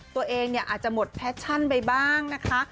ตัวเองเนี่ยอาจจะหมดแพชชั่นไปบ้างนะคะ